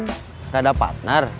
gak ada partner